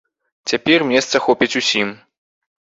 Цяпер месца хопіць усім!